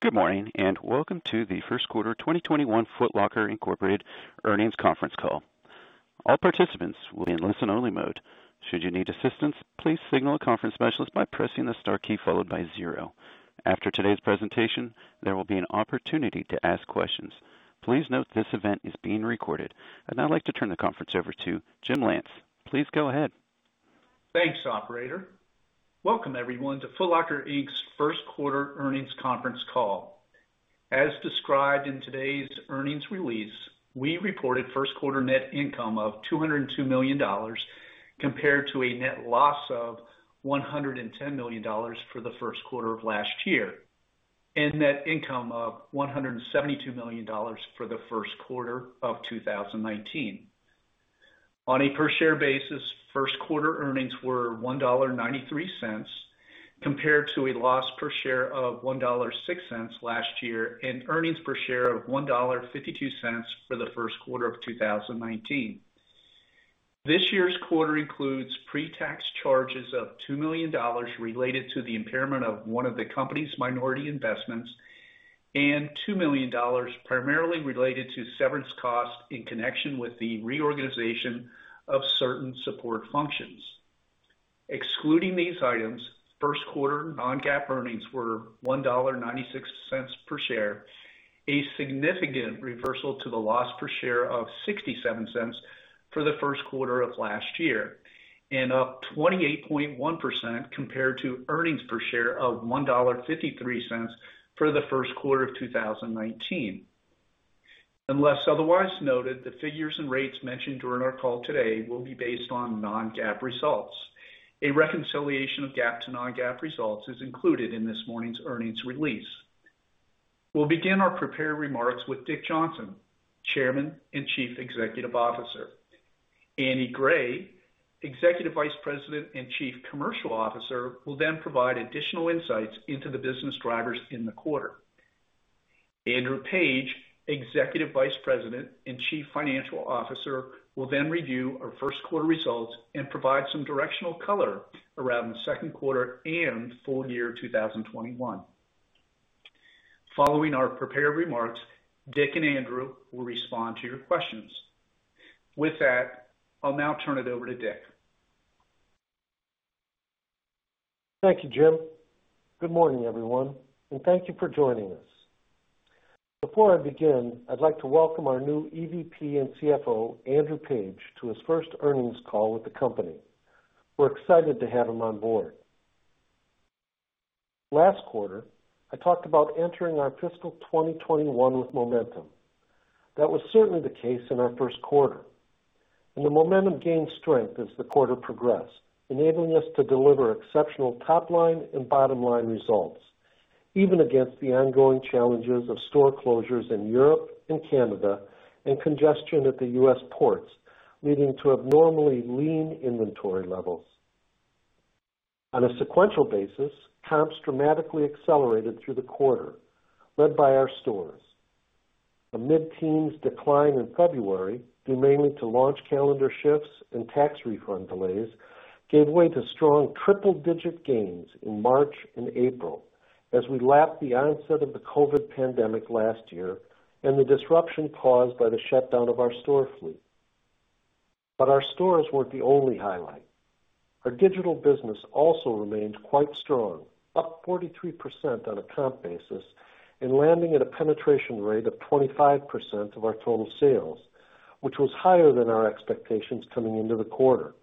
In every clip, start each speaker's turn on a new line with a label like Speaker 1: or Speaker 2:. Speaker 1: Good morning, and welcome to the First Quarter 2021 Foot Locker Incorporated Earnings Conference Call. All participants are on a listen only mode should you need assistance please signal conference by pressing star key followed by zero. After today's presentation there will be an opportunity to ask questions, please note this event is being recorded. I'd now like to turn the conference over to Jim Lance. Please go ahead.
Speaker 2: Thanks, operator. Welcome everyone to Foot Locker, Inc.'s First Quarter Earnings Conference Call. As described in today's earnings release, we reported first quarter net income of $202 million compared to a net loss of $110 million for the first quarter of last year, and net income of $172 million for the first quarter of 2019. On a per share basis, first quarter earnings were $1.93 compared to a loss per share of $1.06 last year and earnings per share of $1.52 for the first quarter of 2019. This year's quarter includes pre-tax charges of $2 million related to the impairment of one of the company's minority investments and $2 million primarily related to severance costs in connection with the reorganization of certain support functions. Excluding these items, first quarter non-GAAP earnings were $1.96 per share, a significant reversal to the loss per share of $0.67 for the first quarter of last year, and up 28.1% compared to earnings per share of $1.53 for the first quarter of 2019. Unless otherwise noted, the figures and rates mentioned during our call today will be based on non-GAAP results. A reconciliation of GAAP to non-GAAP results is included in this morning's earnings release. We'll begin our prepared remarks with Dick Johnson, Chairman and Chief Executive Officer. Andy Gray, Executive Vice President and Chief Commercial Officer, will then provide additional insights into the business drivers in the quarter. Andrew Page, Executive Vice President and Chief Financial Officer, will then review our first quarter results and provide some directional color around the second quarter and full year 2021. Following our prepared remarks, Dick and Andrew will respond to your questions. With that, I'll now turn it over to Dick.
Speaker 3: Thank you, Jim. Good morning, everyone, and thank you for joining us. Before I begin, I'd like to welcome our new EVP and CFO, Andrew Page, to his first earnings call with the company. We're excited to have him on board. Last quarter, I talked about entering our fiscal 2021 with momentum. That was certainly the case in our first quarter, and the momentum gained strength as the quarter progressed, enabling us to deliver exceptional top-line and bottom-line results, even against the ongoing challenges of store closures in Europe and Canada and congestion at the U.S. ports, leading to abnormally lean inventory levels. On a sequential basis, comps dramatically accelerated through the quarter, led by our stores. A mid-teens decline in February, due mainly to launch calendar shifts and tax refund delays, gave way to strong triple-digit gains in March and April as we lapped the onset of the COVID pandemic last year and the disruption caused by the shutdown of our store fleet. Our stores weren't the only highlight. Our digital business also remained quite strong, up 43% on a comp basis and landing at a penetration rate of 25% of our total sales, which was higher than our expectations coming into the quarter.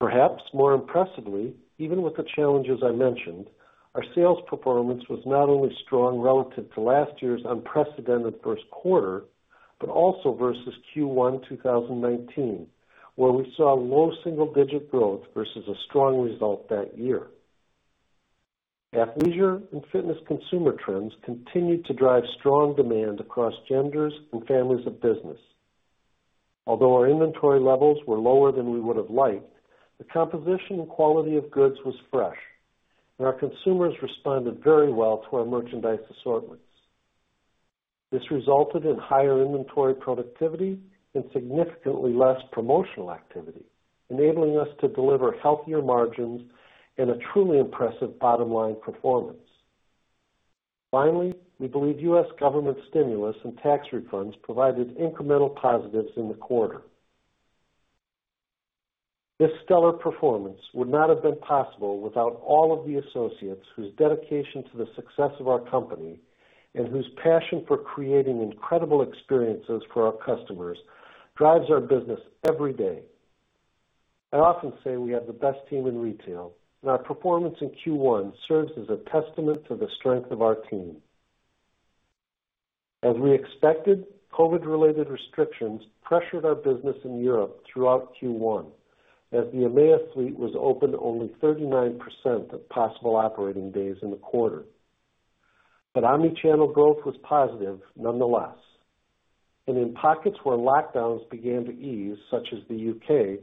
Speaker 3: Perhaps more impressively, even with the challenges I mentioned, our sales performance was not only strong relative to last year's unprecedented first quarter but also versus Q1 2019, where we saw low single-digit growth versus a strong result that year. Athleisure and fitness consumer trends continued to drive strong demand across genders and families of business. Although our inventory levels were lower than we would have liked, the composition and quality of goods was fresh, and our consumers responded very well to our merchandise assortments. This resulted in higher inventory productivity and significantly less promotional activity, enabling us to deliver healthier margins and a truly impressive bottom-line performance. Finally, we believe U.S. government stimulus and tax refunds provided incremental positives in the quarter. This stellar performance would not have been possible without all of the associates whose dedication to the success of our company and whose passion for creating incredible experiences for our customers drives our business every day. I often say we have the best team in retail, and our performance in Q1 serves as a testament to the strength of our team. As we expected, COVID-related restrictions pressured our business in Europe throughout Q1, as the EMEA fleet was open only 39% of possible operating days in the quarter. Omni-channel growth was positive nonetheless, and in pockets where lockdowns began to ease, such as the U.K.,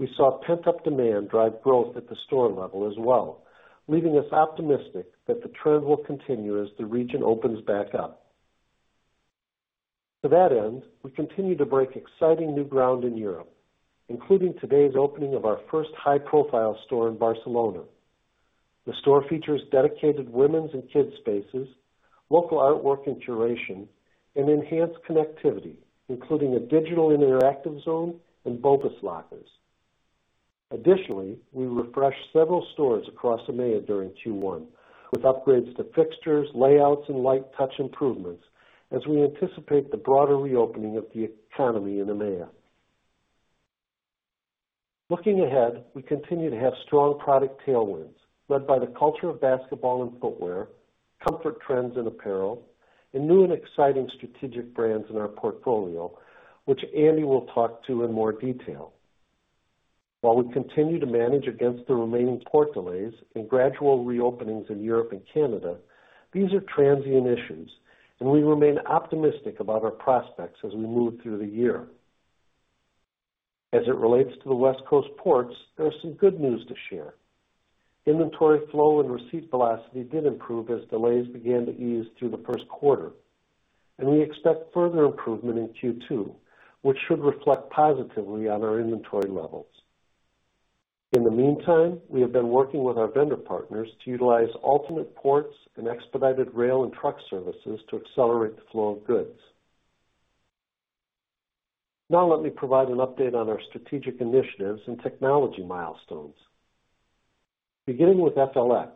Speaker 3: we saw pent-up demand drive growth at the store level as well, leaving us optimistic that the trend will continue as the region opens back up. To that end, we continue to break exciting new ground in Europe, including today's opening of our first high-profile store in Barcelona. The store features dedicated women's and kids' spaces, local artwork and curation, and enhanced connectivity, including a digital interactive zone and BOPUS lockers. Additionally, we refreshed several stores across EMEA during Q1 with upgrades to fixtures, layouts, and light touch improvements as we anticipate the broader reopening of the economy in EMEA. Looking ahead, we continue to have strong product tailwinds led by the culture of basketball and footwear, comfort trends in apparel, and new and exciting strategic brands in our portfolio, which Andy will talk to in more detail. While we continue to manage against the remaining port delays and gradual reopening in Europe and Canada, these are transient issues, and we remain optimistic about our prospects as we move through the year. As it relates to the West Coast ports, there's some good news to share. Inventory flow and receipt velocity did improve as delays began to ease through the first quarter, and we expect further improvement in Q2, which should reflect positively on our inventory levels. In the meantime, we have been working with our vendor partners to utilize alternate ports and expedited rail and truck services to accelerate the flow of goods. Now let me provide an update on our strategic initiatives and technology milestones. Beginning with FLX,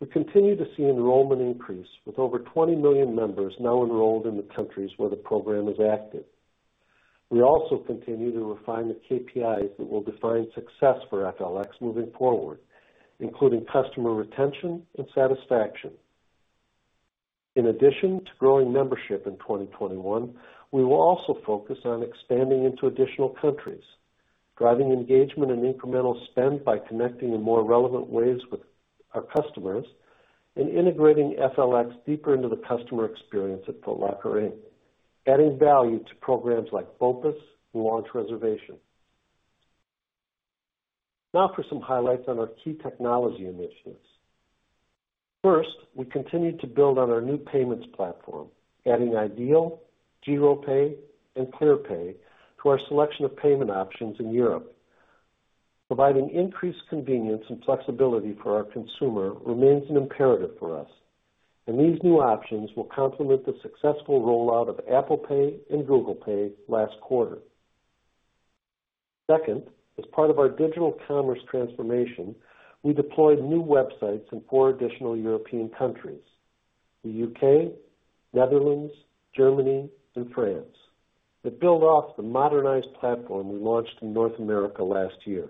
Speaker 3: we continue to see enrollment increase with over 20 million members now enrolled in the countries where the program is active. We also continue to refine the KPIs that will define success for FLX moving forward, including customer retention and satisfaction. In addition to growing membership in 2021, we will also focus on expanding into additional countries, driving engagement and incremental spend by connecting in more relevant ways with our customers, and integrating FLX deeper into the customer experience at Foot Locker, Inc., adding value to programs like BOPUS and launch reservation. Now for some highlights on our key technology initiatives. First, we continued to build on our new payments platform, adding iDEAL, Giropay, and Clearpay to our selection of payment options in Europe. Providing increased convenience and flexibility for our consumer remains an imperative for us, and these new options will complement the successful rollout of Apple Pay and Google Pay last quarter. Second, as part of our digital commerce transformation, we deployed new websites in four additional European countries, the U.K., Netherlands, Germany, and France. To build off the modernized platform we launched in North America last year.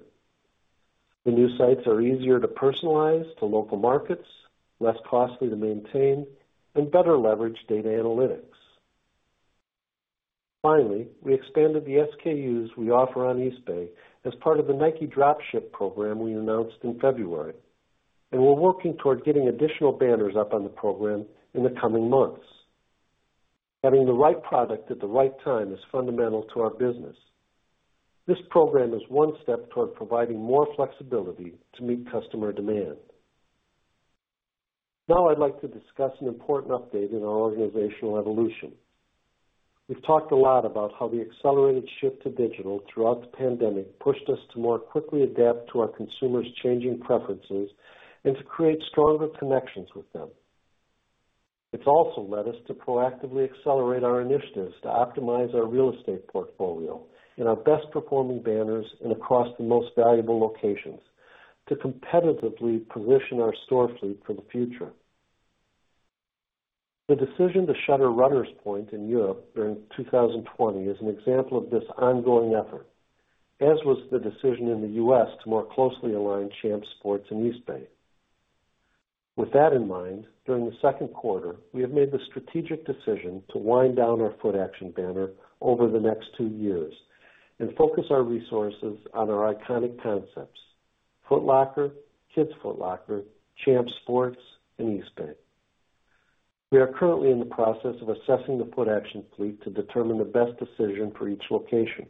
Speaker 3: The new sites are easier to personalize to local markets, less costly to maintain, and better leverage data analytics. Finally, we expanded the SKUs we offer on Eastbay as part of the Nike Drop Ship program we announced in February. We're working toward getting additional banners up on the program in the coming months. Having the right product at the right time is fundamental to our business. This program is one step toward providing more flexibility to meet customer demand. Now I'd like to discuss an important update in our organizational evolution. We've talked a lot about how the accelerated shift to digital throughout the pandemic pushed us to more quickly adapt to our consumers' changing preferences and to create stronger connections with them. It's also led us to proactively accelerate our initiatives to optimize our real estate portfolio in our best performing banners and across the most valuable locations to competitively position our store fleet for the future. The decision to shutter Runners Point in Europe during 2020 is an example of this ongoing effort, as was the decision in the U.S. to more closely align Champs Sports and Eastbay. With that in mind, during the second quarter, we have made the strategic decision to wind down our Footaction banner over the next two years and focus our resources on our iconic concepts, Foot Locker, Kids Foot Locker, Champs Sports, and Eastbay. We are currently in the process of assessing the Footaction fleet to determine the best decision for each location.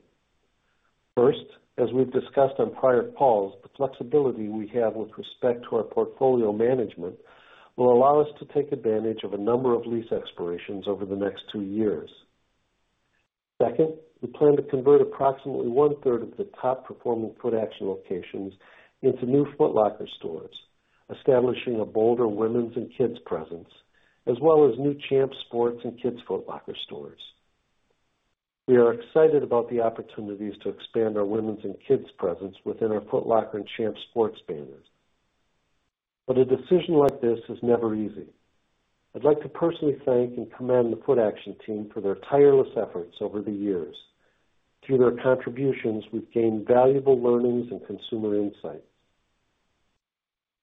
Speaker 3: First, as we've discussed on prior calls, the flexibility we have with respect to our portfolio management will allow us to take advantage of a number of lease expirations over the next two years. Second, we plan to convert approximately one-third of the top performing Footaction locations into new Foot Locker stores, establishing a bolder women's and kids presence, as well as new Champs Sports and Kids Foot Locker stores. We are excited about the opportunities to expand our women's and kids presence within our Foot Locker and Champs Sports banners. A decision like this is never easy. I'd like to personally thank and commend the Footaction team for their tireless efforts over the years. Through their contributions, we've gained valuable learnings and consumer insights.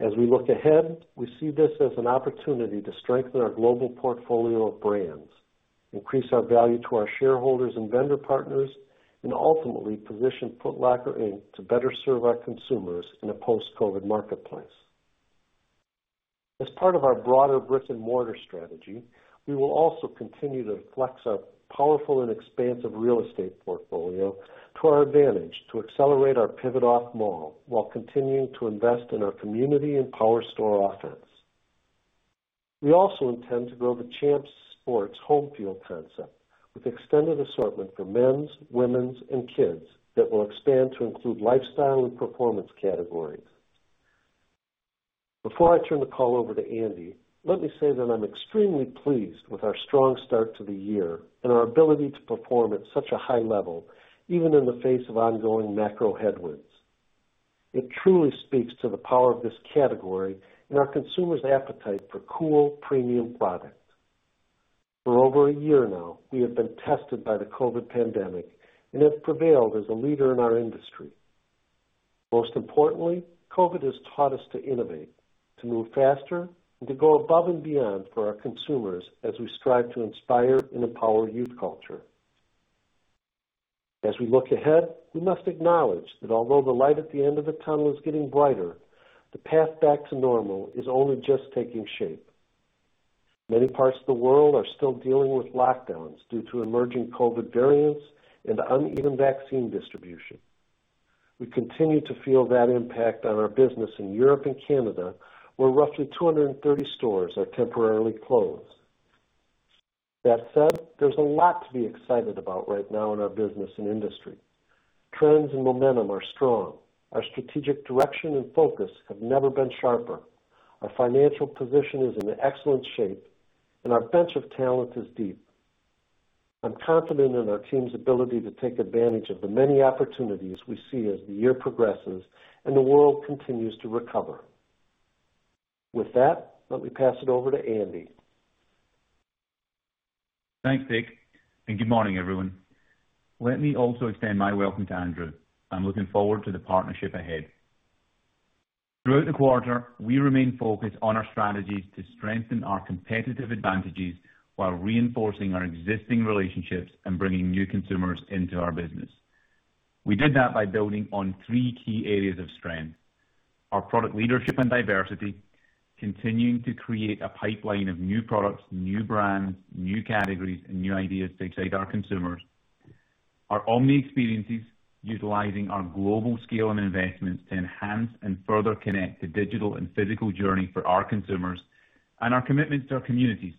Speaker 3: As we look ahead, we see this as an opportunity to strengthen our global portfolio of brands, increase our value to our shareholders and vendor partners, and ultimately position Foot Locker, Inc. to better serve our consumers in a post-COVID marketplace. As part of our broader brick-and-mortar strategy, we will also continue to flex our powerful and expansive real estate portfolio to our advantage to accelerate our pivot off mall while continuing to invest in our community and power store offense. We also intend to grow the Champs Sports Homefield concept with extended assortment for men's, women's, and kids that will expand to include lifestyle and performance categories. Before I turn the call over to Andy, let me say that I'm extremely pleased with our strong start to the year and our ability to perform at such a high level, even in the face of ongoing macro headwinds. It truly speaks to the power of this category and our consumers' appetite for cool, premium products. For over a year now, we have been tested by the COVID pandemic and have prevailed as a leader in our industry. Most importantly, COVID has taught us to innovate, to move faster, and to go above and beyond for our consumers as we strive to inspire and empower youth culture. As we look ahead, we must acknowledge that although the light at the end of the tunnel is getting brighter, the path back to normal is only just taking shape. Many parts of the world are still dealing with lockdowns due to emerging COVID variants and uneven vaccine distribution. We continue to feel that impact on our business in Europe and Canada, where roughly 230 stores are temporarily closed. That said, there's a lot to be excited about right now in our business and industry. Trends and momentum are strong. Our strategic direction and focus have never been sharper. Our financial position is in excellent shape, and our bench of talent is deep. I'm confident in our team's ability to take advantage of the many opportunities we see as the year progresses and the world continues to recover. With that, let me pass it over to Andy.
Speaker 4: Thanks, Dick, good morning, everyone. Let me also extend my welcome to Andrew. I'm looking forward to the partnership ahead. Throughout the quarter, we remain focused on our strategies to strengthen our competitive advantages while reinforcing our existing relationships and bringing new consumers into our business. We did that by building on three key areas of strength. Our product leadership and diversity, continuing to create a pipeline of new products, new brands, new categories, and new ideas to excite our consumers. Our omni experiences, utilizing our global scale and investments to enhance and further connect the digital and physical journey for our consumers, and our commitment to our communities,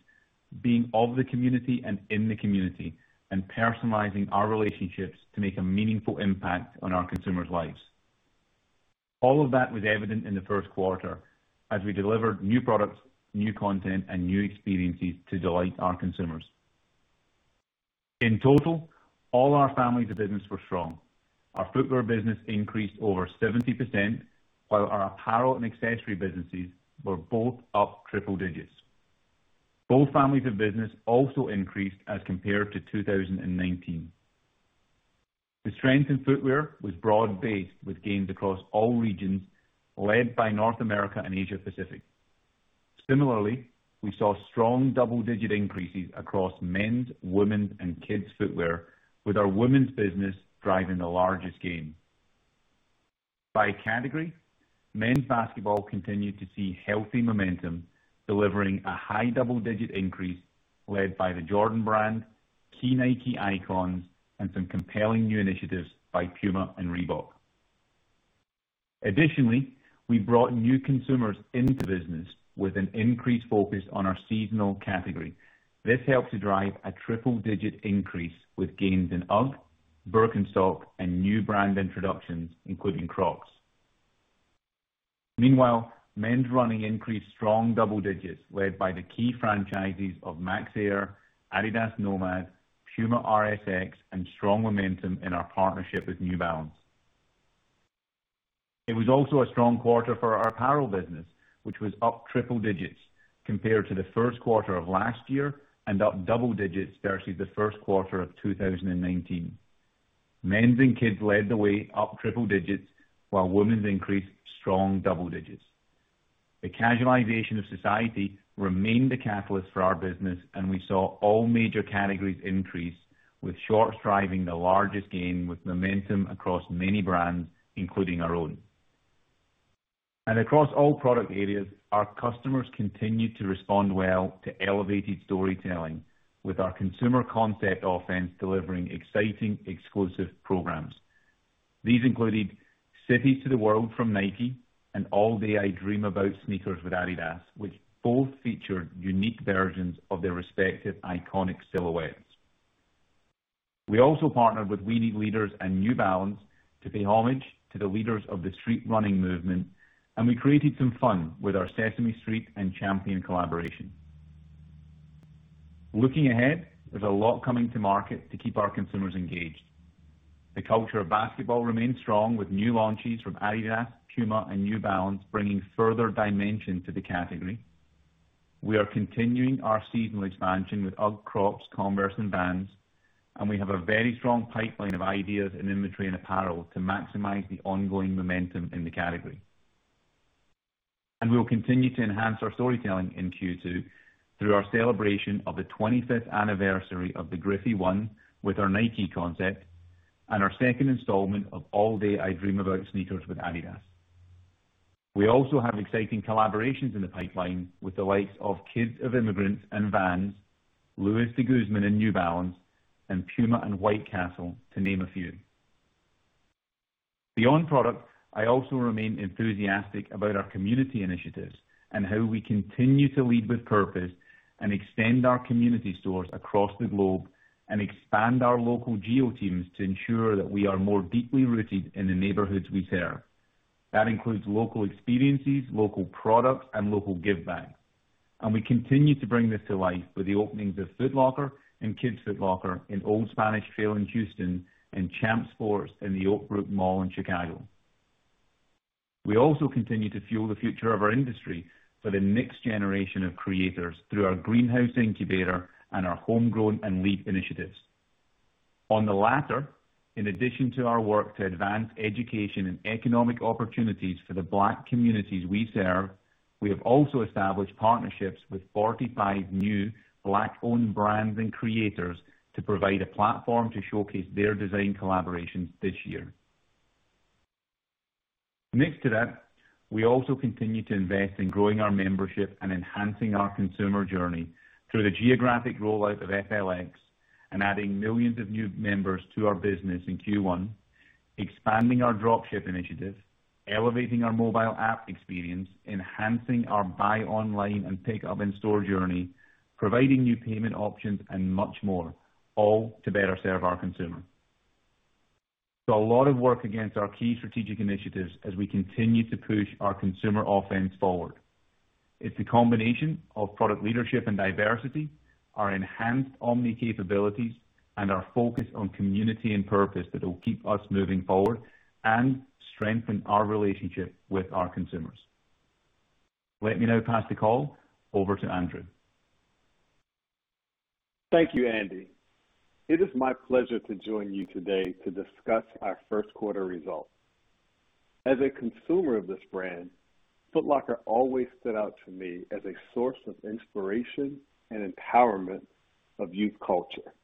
Speaker 4: being of the community and in the community, and personalizing our relationships to make a meaningful impact on our consumers' lives. All of that was evident in the first quarter as we delivered new products, new content, and new experiences to delight our consumers. In total, all our families of business were strong. Our footwear business increased over 70%, while our apparel and accessory businesses were both up triple digits. Both families of business also increased as compared to 2019. The strength in footwear was broad-based, with gains across all regions led by North America and Asia Pacific. Similarly, we saw strong double-digit increases across men's, women's, and kids footwear, with our women's business driving the largest gain. By category, men's basketball continued to see healthy momentum, delivering a high double-digit increase led by the Jordan Brand, key Nike icons, and some compelling new initiatives by PUMA and Reebok. Additionally, we brought new consumers into business with an increased focus on our seasonal category. This helped to drive a triple-digit increase with gains in UGG, Birkenstock, and new brand introductions, including Crocs. Men's running increased strong double digits, led by the key franchises of Air Max, Adidas NMD, Puma RS-X, and strong momentum in our partnership with New Balance. It was also a strong quarter for our apparel business, which was up triple digits compared to the first quarter of last year and up double digits versus the first quarter of 2019. Men's and kids led the way up triple digits, while women increased strong double digits. The casualization of society remained a catalyst for our business. We saw all major categories increase, with shorts driving the largest gain, with momentum across many brands, including our own. Across all product areas, our customers continued to respond well to elevated storytelling with our consumer concept offense delivering exciting exclusive programs. These included City to the World from Nike and All Day I Dream About Sneakers with Adidas, which both featured unique versions of their respective iconic silhouettes. We also partnered with We Need Leaders and New Balance to pay homage to the leaders of the street running movement, and we created some fun with our Sesame Street and Champion collaboration. Looking ahead, there's a lot coming to market to keep our consumers engaged. The culture of basketball remains strong with new launches from Adidas, PUMA, and New Balance bringing further dimension to the category. We are continuing our seasonal expansion with UGG, Crocs, Converse, and Vans, and we have a very strong pipeline of ideas in inventory and apparel to maximize the ongoing momentum in the category. We'll continue to enhance our storytelling in Q2 through our celebration of the 25th anniversary of the Griffey 1 with our Nike concept and our second installment of All Day I Dream About Sneakers with adidas. We also have exciting collaborations in the pipeline with the likes of Kids of Immigrants and Vans, Louis De Guzman and New Balance, and PUMA and White Castle, to name a few. Beyond product, I also remain enthusiastic about our community initiatives and how we continue to lead with purpose and extend our community stores across the globe and expand our local geo teams to ensure that we are more deeply rooted in the neighborhoods we serve. That includes local experiences, local product, and local giveback. We continue to bring this to life with the openings of Foot Locker and Kids Foot Locker in Old Spanish Trail in Houston and Champs Sports in the Oakbrook Center in Chicago. We also continue to fuel the future of our industry for the next generation of creators through our Greenhouse incubator and our Homegrown and LEED initiatives. On the latter, in addition to our work to advance education and economic opportunities for the Black communities we serve, we have also established partnerships with 45 new Black-owned brands and creators to provide a platform to showcase their design collaborations this year. Next to that, we also continue to invest in growing our membership and enhancing our consumer journey through the geographic rollout of FLX and adding millions of new members to our business in Q1, expanding our drop ship initiative, elevating our mobile app experience, enhancing our buy online and pick up in-store journey, providing new payment options, and much more, all to better serve our consumer. A lot of work against our key strategic initiatives as we continue to push our consumer offense forward. It's a combination of product leadership and diversity, our enhanced omni capabilities, and our focus on community and purpose that will keep us moving forward and strengthen our relationship with our consumers. Let me now pass the call over to Andrew.
Speaker 5: Thank you, Andy. It is my pleasure to join you today to discuss our first quarter results. As a consumer of this brand, Foot Locker always stood out to me as a source of inspiration and empowerment of youth culture.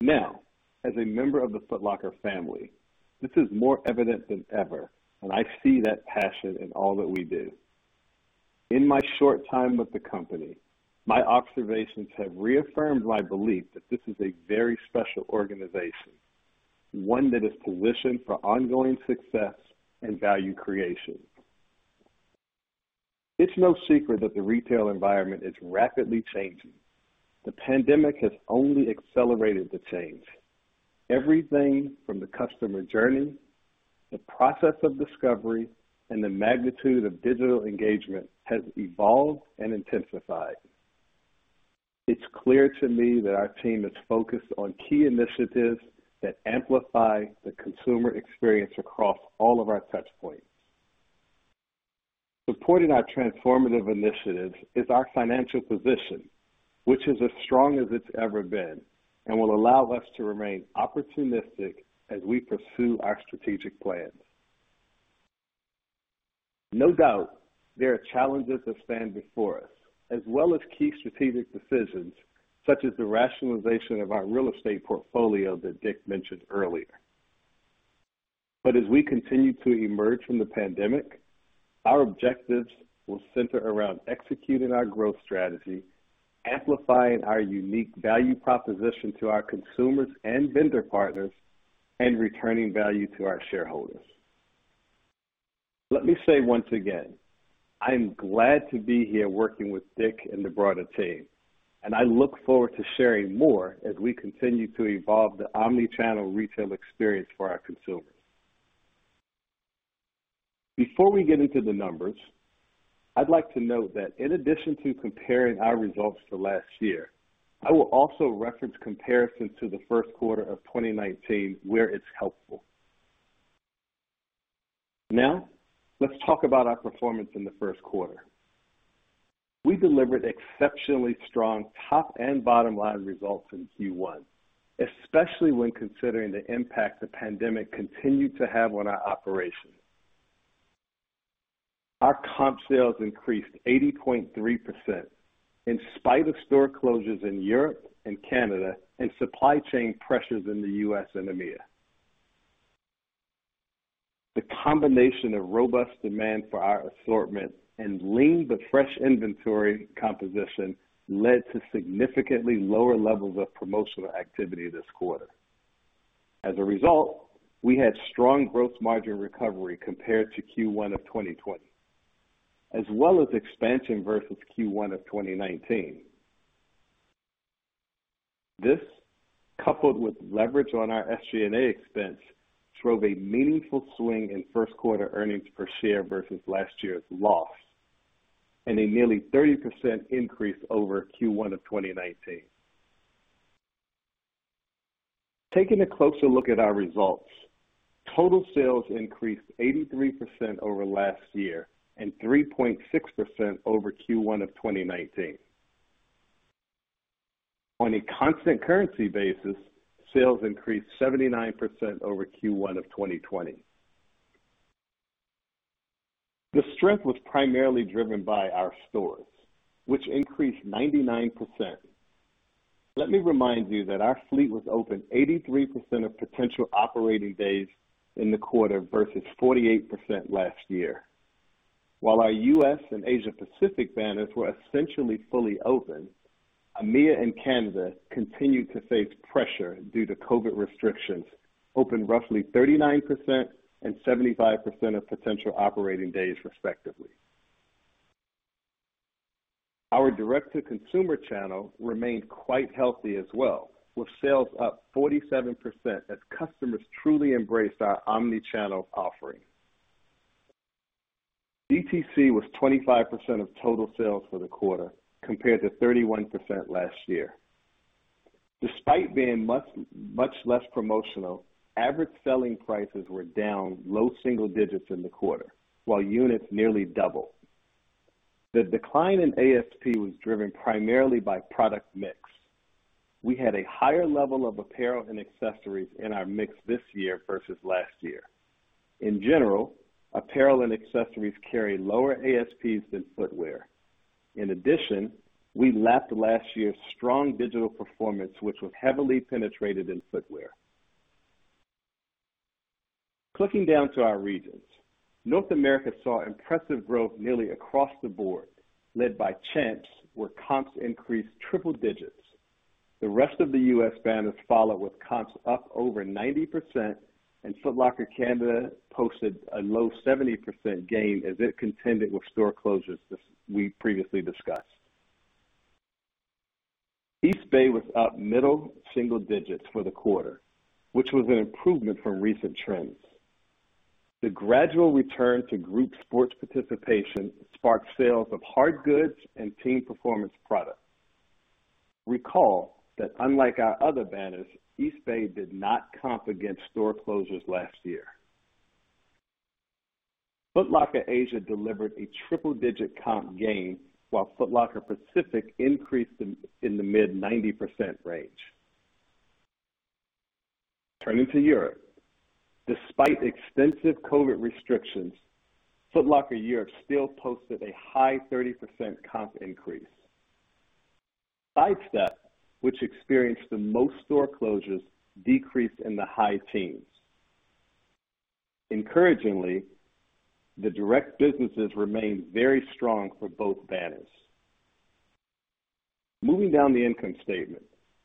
Speaker 5: Now, as a member of the Foot Locker family, this is more evident than ever, and I see that passion in all that we do. In my short time with the company, my observations have reaffirmed my belief that this is a very special organization, one that is positioned for ongoing success and value creation. It's no secret that the retail environment is rapidly changing. The pandemic has only accelerated the change. Everything from the customer journey, the process of discovery, and the magnitude of digital engagement has evolved and intensified. It's clear to me that our team is focused on key initiatives that amplify the consumer experience across all of our touch points. Supporting our transformative initiatives is our financial position, which is as strong as it's ever been and will allow us to remain opportunistic as we pursue our strategic plans. No doubt, there are challenges that stand before us, as well as key strategic decisions such as the rationalization of our real estate portfolio that Dick mentioned earlier. As we continue to emerge from the pandemic, our objectives will center around executing our growth strategy, amplifying our unique value proposition to our consumers and vendor partners, and returning value to our shareholders. Let me say once again, I am glad to be here working with Dick and the broader team, and I look forward to sharing more as we continue to evolve the omni-channel retail experience for our consumers. Before we get into the numbers, I'd like to note that in addition to comparing our results to last year, I will also reference comparisons to the first quarter of 2019 where it's helpful. Now, let's talk about our performance in the first quarter. We delivered exceptionally strong top and bottom-line results in Q1, especially when considering the impact the pandemic continued to have on our operations. Our comp sales increased 80.3% in spite of store closures in Europe and Canada and supply chain pressures in the U.S. and EMEA. The combination of robust demand for our assortment and lean but fresh inventory composition led to significantly lower levels of promotional activity this quarter. As a result, we had strong gross margin recovery compared to Q1 of 2020, as well as expansion versus Q1 of 2019. This, coupled with leverage on our SG&A expense, drove a meaningful swing in first quarter earnings per share versus last year's loss and a nearly 30% increase over Q1 of 2019. Taking a closer look at our results, total sales increased 83% over last year and 3.6% over Q1 of 2019. On a constant currency basis, sales increased 79% over Q1 of 2020. The strength was primarily driven by our stores, which increased 99%. Let me remind you that our fleet was open 83% of potential operating days in the quarter versus 48% last year. While our U.S. and Asia Pacific banners were essentially fully open, EMEA and Canada continued to face pressure due to COVID restrictions, open roughly 39% and 75% of potential operating days respectively. Our direct-to-consumer channel remained quite healthy as well, with sales up 47% as customers truly embrace our omni-channel offering. DTC was 25% of total sales for the quarter compared to 31% last year. Despite being much less promotional, average selling prices were down low single digits in the quarter, while units nearly doubled. The decline in ASP was driven primarily by product mix. We had a higher level of apparel and accessories in our mix this year versus last year. In general, apparel and accessories carry lower ASPs than footwear. In addition, we lacked last year's strong digital performance, which was heavily penetrated in footwear. Clicking down to our regions, North America saw impressive growth nearly across the board, led by Champs, where comps increased triple digits. The rest of the U.S. banners followed with comps up over 90%, and Foot Locker Canada posted a low 17% gain as it contended with store closures we previously discussed. Eastbay was up middle single digits for the quarter, which was an improvement from recent trends. The gradual return to group sports participation sparked sales of hard goods and team performance products. Recall that unlike our other banners, Eastbay did not comp against store closures last year. Foot Locker Asia delivered a triple-digit comp gain, while Foot Locker Pacific increased in the mid-90% range. Turning to Europe. Despite extensive COVID restrictions, Foot Locker Europe still posted a high 30% comp increase. SIDESTEP, which experienced the most store closures, decreased in the high teens. Encouragingly, the direct businesses remained very strong for both banners. Moving down the income statement,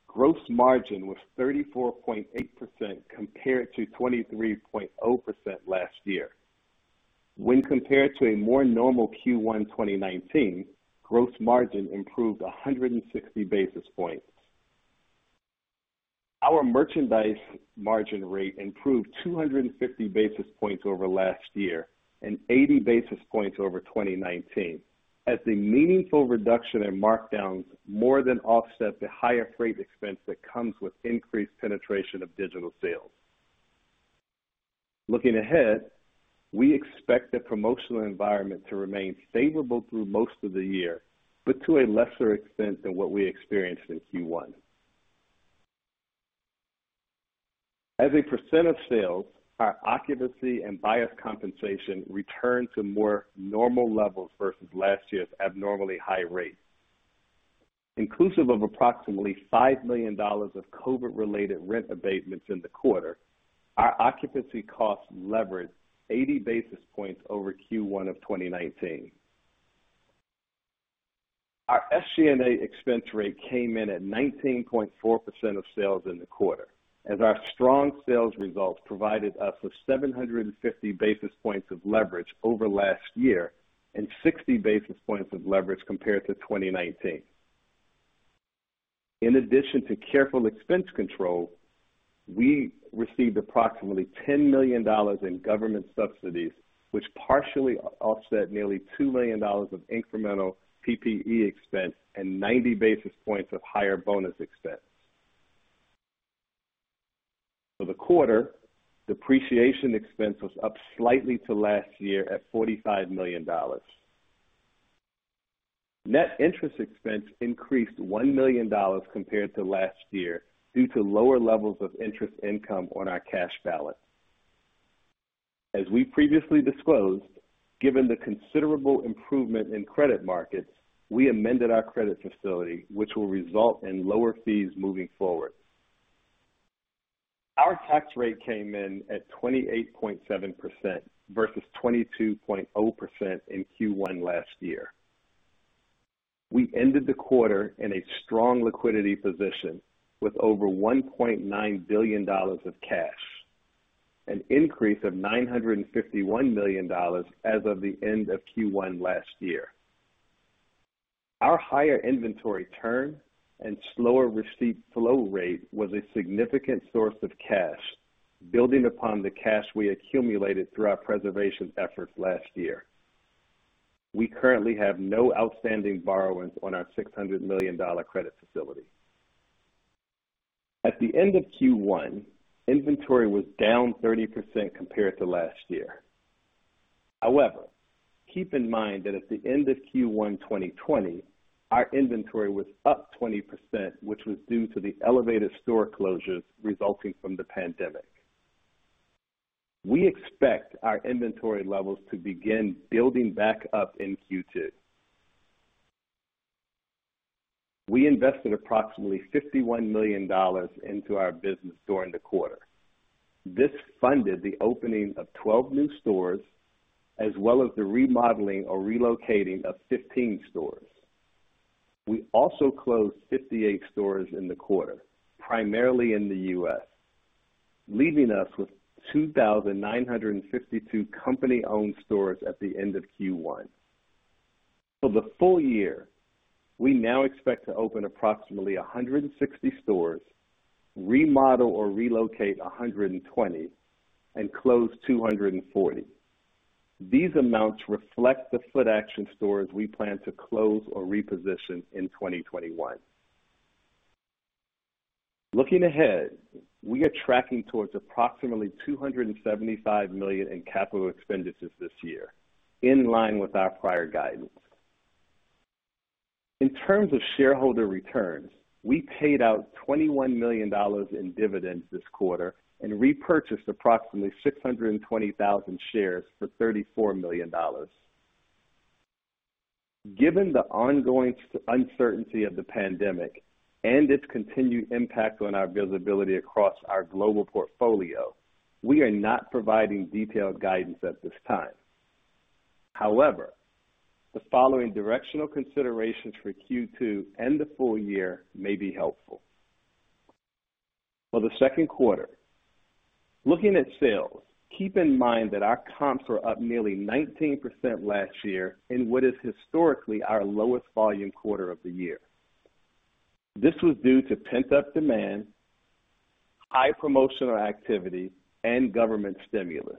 Speaker 5: gross margin was 34.8% compared to 23.0% last year. When compared to a more normal Q1 2019, gross margin improved 160 basis points. Our merchandise margin rate improved 250 basis points over last year and 80 basis points over 2019 as a meaningful reduction in markdowns more than offset the higher freight expense that comes with increased penetration of digital sales. Looking ahead, we expect the promotional environment to remain favorable through most of the year, but to a lesser extent than what we experienced in Q1. As a percent of sales, our occupancy and buyers' compensation returned to more normal levels versus last year's abnormally high rates. Inclusive of approximately $5 million of COVID-related rent abatements in the quarter, our occupancy costs leveraged 80 basis points over Q1 of 2019. Our SG&A expense rate came in at 19.4% of sales in the quarter as our strong sales results provided us with 750 basis points of leverage over last year and 60 basis points of leverage compared to 2019. In addition to careful expense control, we received approximately $10 million in government subsidies, which partially offset nearly $2 million of incremental PPE expense and 90 basis points of higher bonus expense. For the quarter, depreciation expense was up slightly to last year at $45 million. Net interest expense increased $1 million compared to last year due to lower levels of interest income on our cash balance. As we previously disclosed, given the considerable improvement in credit markets, we amended our credit facility, which will result in lower fees moving forward. Our tax rate came in at 28.7% versus 22.0% in Q1 last year. We ended the quarter in a strong liquidity position with over $1.9 billion of cash, an increase of $951 million as of the end of Q1 last year. Our higher inventory turn and slower receipt flow rate was a significant source of cash, building upon the cash we accumulated through our preservation efforts last year. We currently have no outstanding borrowings on our $600 million credit facility. At the end of Q1, inventory was down 30% compared to last year. However, keep in mind that at the end of Q1 2020, our inventory was up 20%, which was due to the elevated store closures resulting from the pandemic. We expect our inventory levels to begin building back up in Q2. We invested approximately $51 million into our business during the quarter. This funded the opening of 12 new stores, as well as the remodeling or relocating of 15 stores. We also closed 58 stores in the quarter, primarily in the U.S., leaving us with 2,952 company-owned stores at the end of Q1. For the full year, we now expect to open approximately 160 stores, remodel or relocate 120, and close 240. These amounts reflect the Footaction stores we plan to close or reposition in 2021. Looking ahead, we are tracking towards approximately $275 million in capital expenditures this year, in line with our prior guidance. In terms of shareholder returns, we paid out $21 million in dividends this quarter and repurchased approximately 620,000 shares for $34 million. Given the ongoing uncertainty of the pandemic and its continued impact on our visibility across our global portfolio, we are not providing detailed guidance at this time. However, the following directional considerations for Q2 and the full year may be helpful. For the second quarter, looking at sales, keep in mind that our comps were up nearly 19% last year in what is historically our lowest volume quarter of the year. This was due to pent-up demand, high promotional activity, and government stimulus.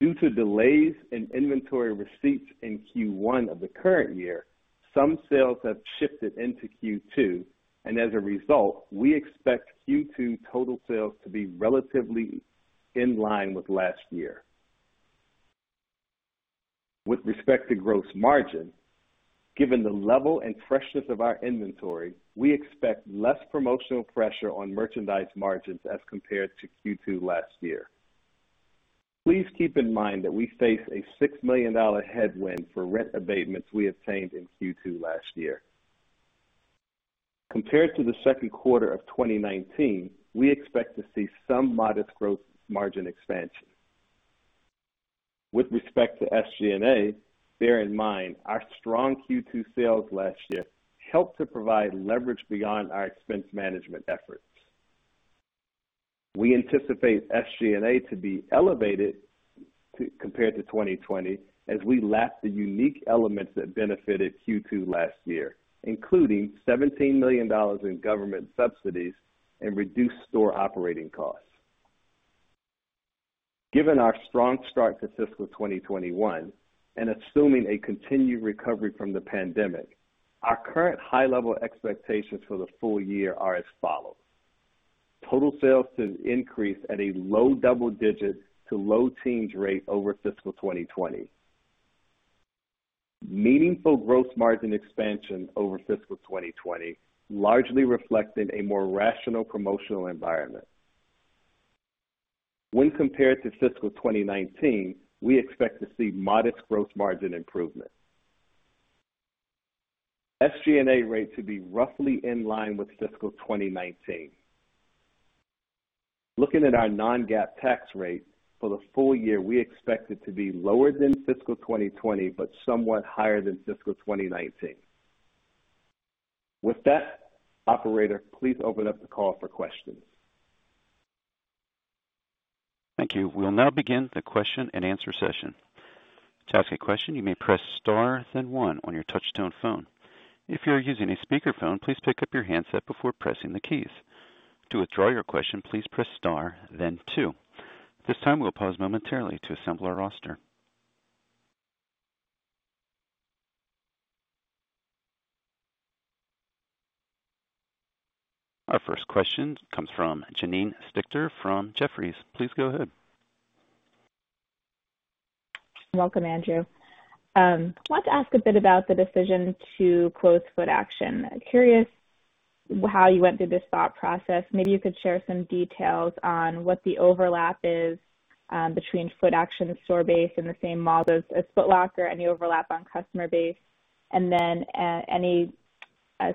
Speaker 5: Due to delays in inventory receipts in Q1 of the current year, some sales have shifted into Q2, and as a result, we expect Q2 total sales to be relatively in line with last year. With respect to gross margin, given the level and freshness of our inventory, we expect less promotional pressure on merchandise margins as compared to Q2 last year. Please keep in mind that we face a $6 million headwind for rent abatements we obtained in Q2 last year. Compared to the second quarter of 2019, we expect to see some modest gross margin expansion. With respect to SG&A, bear in mind our strong Q2 sales last year helped to provide leverage beyond our expense management efforts. We anticipate SG&A to be elevated compared to 2020 as we lack the unique elements that benefited Q2 last year, including $17 million in government subsidies and reduced store operating costs. Given our strong start to fiscal 2021, and assuming a continued recovery from the pandemic, our current high-level expectations for the full year are as follows: Total sales to increase at a low double digits to low teens rate over fiscal 2020. Meaningful gross margin expansion over fiscal 2020, largely reflecting a more rational promotional environment. When compared to fiscal 2019, we expect to see modest gross margin improvement. SG&A rate to be roughly in line with fiscal 2019. Looking at our non-GAAP tax rate for the full year, we expect it to be lower than fiscal 2020, but somewhat higher than fiscal 2019. With that, operator, please open up the call for questions.
Speaker 1: Thank you. We'll now begin the question and answer session. Our first question comes from Janine Stichter from Jefferies. Please go ahead.
Speaker 6: Welcome, Andrew. I wanted to ask a bit about the decision to close Footaction. I'm curious how you went through this thought process. Maybe you could share some details on what the overlap is between Footaction store base and the same models as Foot Locker, any overlap on customer base, and then any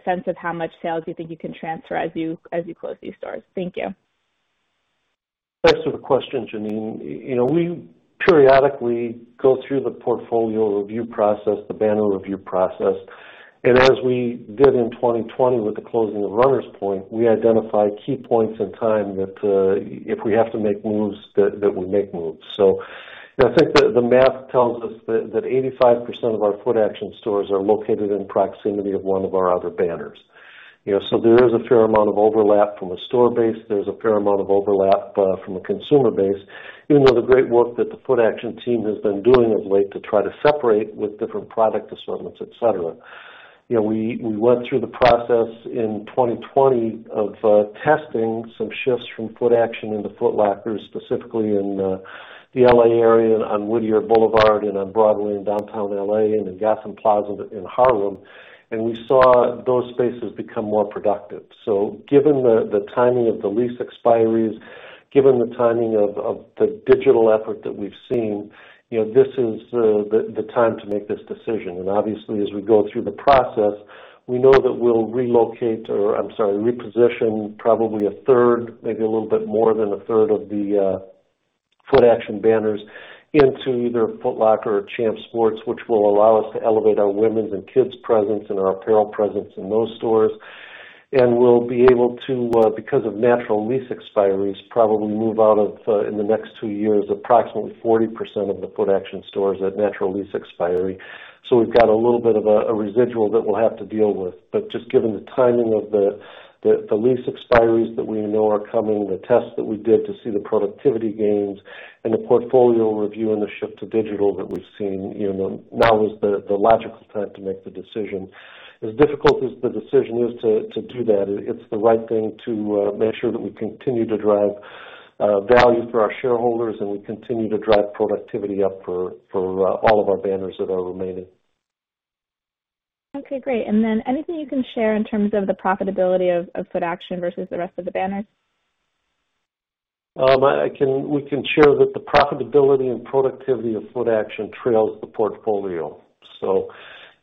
Speaker 6: sense of how much sales you think you can transfer as you close these stores. Thank you.
Speaker 3: Thanks for the question, Janine. We periodically go through the portfolio review process, the banner review process, and as we did in 2020 with the closing of Runners Point, we identify key points in time that if we have to make moves, that we make moves. I think that the math tells us that 85% of our Footaction stores are located in proximity of one of our other banners. There is a fair amount of overlap from a store base. There's a fair amount of overlap from a consumer base, even with the great work that the Footaction team has been doing of late to try to separate with different product assortments, et cetera. We went through the process in 2020 of testing some shifts from Footaction into Foot Locker, specifically in the L.A. area on Whittier Boulevard and on Broadway in Downtown L.A. and in Gaston Plaza in Harlem, and we saw those spaces become more productive. given the timing of the lease expiries Given the timing of the digital effort that we've seen, this is the time to make this decision. Obviously, as we go through the process, we know that we'll reposition probably a third, maybe a little bit more than a third of the Footaction banners into either Foot Locker or Champs Sports, which will allow us to elevate our women's and kids' presence and our apparel presence in those stores. We'll be able to, because of natural lease expiries, probably move out of, in the next two years, approximately 40% of the Footaction stores at natural lease expiry. We've got a little bit of a residual that we'll have to deal with. Just given the timing of the lease expiries that we know are coming, the test that we did to see the productivity gains and the portfolio review and the shift to digital that we've seen, now is the logical time to make the decision. As difficult as the decision is to do that, it's the right thing to make sure that we continue to drive value for our shareholders, and we continue to drive productivity up for all of our banners that are remaining.
Speaker 6: Okay, great. Anything you can share in terms of the profitability of Footaction versus the rest of the banners?
Speaker 3: We can share that the profitability and productivity of Footaction trails the portfolio.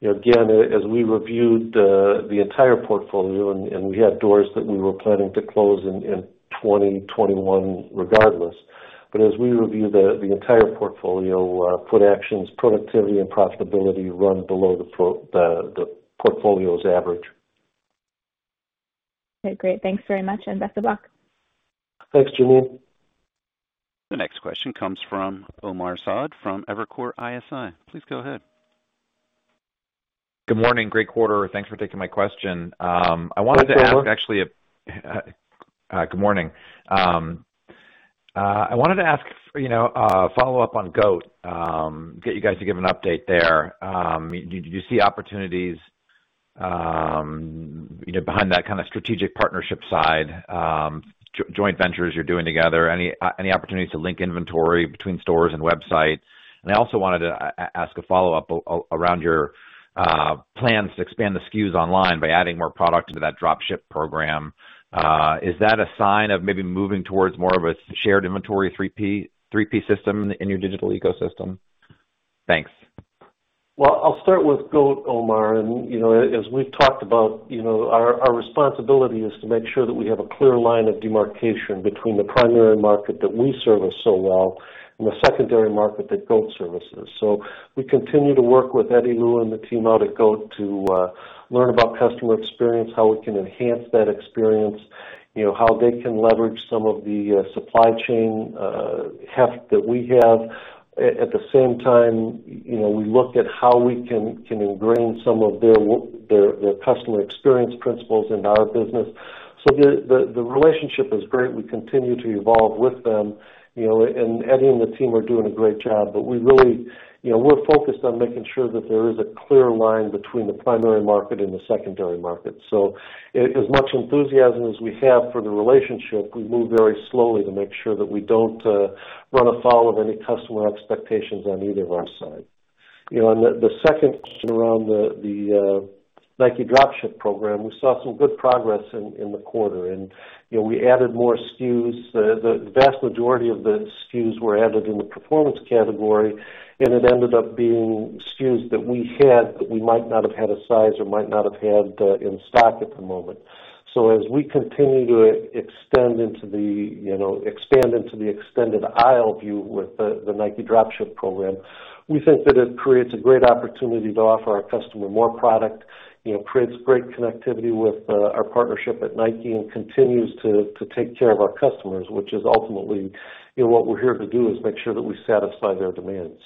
Speaker 3: Again, as we reviewed the entire portfolio, and we had doors that we were planning to close in 2021 regardless. As we review the entire portfolio, Footaction's productivity and profitability run below the portfolio's average.
Speaker 6: Okay, great. Thanks very much. Back to Buck.
Speaker 3: Thanks, Janine Stichter.
Speaker 1: The next question comes from Omar Saad from Evercore ISI. Please go ahead.
Speaker 7: Good morning. Great quarter. Thanks for taking my question.
Speaker 3: Good morning.
Speaker 7: Good morning. I wanted to ask a follow-up on GOAT. Get you guys to give an update there. Do you see opportunities behind that strategic partnership side, joint ventures you're doing together? Any opportunity to link inventory between stores and websites? I also wanted to ask a follow-up around your plans to expand the SKUs online by adding more product into that drop ship program. Is that a sign of maybe moving towards more of a shared inventory 3PL system in your digital ecosystem? Thanks.
Speaker 3: Well, I'll start with GOAT, Omar. As we've talked about, our responsibility is to make sure that we have a clear line of demarcation between the primary market that we service so well and the secondary market that GOAT services. We continue to work with Eddy Lu and the team out at GOAT to learn about customer experience, how we can enhance that experience, how they can leverage some of the supply chain heft that we have. At the same time, we look at how we can ingrain some of their customer experience principles into our business. The relationship is great. We continue to evolve with them. Eddy and the team are doing a great job, but we're focused on making sure that there is a clear line between the primary market and the secondary market. As much enthusiasm as we have for the relationship, we move very slowly to make sure that we don't run afoul of any customer expectations on either of our sides. The second question around the Nike Drop Ship program, we saw some good progress in the quarter, and we added more SKUs. The vast majority of the SKUs were added in the performance category, and it ended up being SKUs that we had that we might not have had a size or might not have had in stock at the moment. As we continue to expand into the extended aisle view with the Nike Drop Ship program, we think that it creates a great opportunity to offer our customer more product. It creates great connectivity with our partnership at Nike and continues to take care of our customers, which is ultimately what we're here to do, is make sure that we satisfy their demands.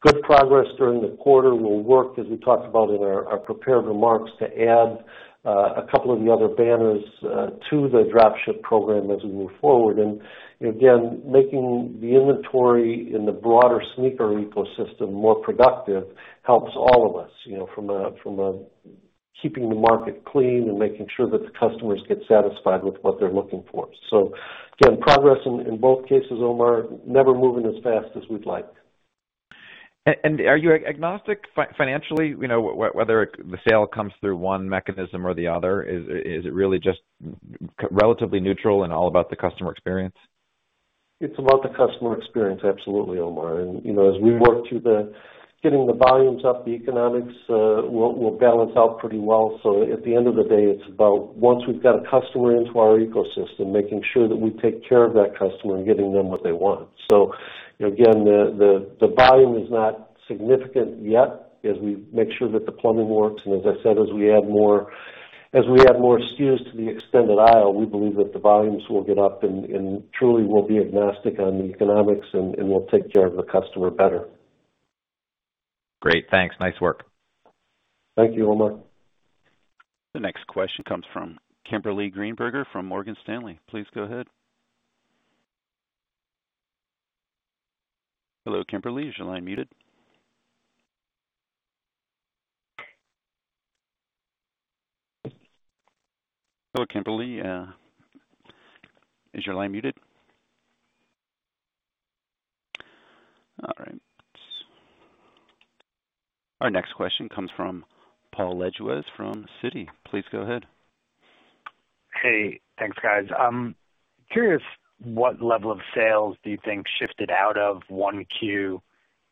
Speaker 3: Good progress during the quarter. We'll work, as we talked about in our prepared remarks, to add a couple of the other banners to the drop ship program as we move forward. Again, making the inventory in the broader sneaker ecosystem more productive helps all of us, from keeping the market clean and making sure that the customers get satisfied with what they're looking for. Again, progress in both cases, Omar, never moving as fast as we'd like.
Speaker 7: Are you agnostic financially, whether the sale comes through one mechanism or the other? Is it really just relatively neutral and all about the customer experience?
Speaker 3: It's about the customer experience, absolutely, Omar. As we work through getting the volumes up, the economics will balance out pretty well. At the end of the day, it's about once we've got a customer into our ecosystem, making sure that we take care of that customer and getting them what they want. Again, the volume is not significant yet as we make sure that the plumbing works. As I said, as we add more SKUs to the extended aisle, we believe that the volumes will get up, and truly, we'll be agnostic on the economics, and we'll take care of the customer better.
Speaker 7: Great. Thanks. Nice work.
Speaker 3: Thank you, Omar.
Speaker 1: The next question comes from Kimberly Greenberger from Morgan Stanley. Please go ahead. Hello, Kimberly. Is your line muted? Hello, Kimberly. Is your line muted? Our next question comes from Paul Lejuez from Citi. Please go ahead.
Speaker 8: Hey, thanks guys. I'm curious what level of sales do you think shifted out of one Q